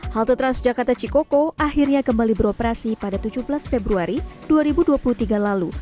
halte transjakarta cikoko akhirnya kembali beroperasi pada tujuh belas februari dua ribu dua puluh tiga lalu